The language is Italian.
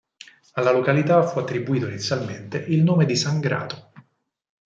Alla località fu attribuito inizialmente il nome di "San Grato".